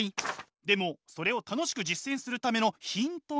でもそれを楽しく実践するためのヒントがあるんです。